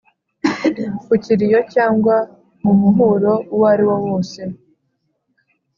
Kukiriyo cyangwa mumuhuro uwariwo wose